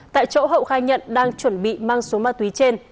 tại chỗ hậu khai nhận đang chuẩn bị mang số ma túy trên